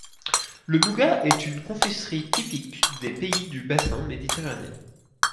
Le nougat est une confiserie typique des pays du bassin méditerranéen.